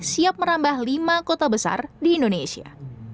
siap merambah lima kota besar di indonesia